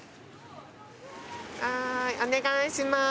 はーいお願いします。